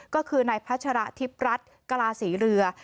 ก็คือนายพัชระทิพย์รัฐกลาศรีเรือ